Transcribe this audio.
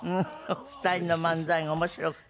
お二人の漫才が面白くて。